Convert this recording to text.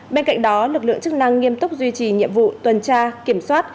bên cạnh đó lực lượng chức năng nghiêm túc duy trì nhiệm vụ tuần tra kiểm soát